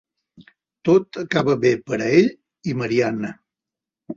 Tot acaba bé per a ell i Marianne.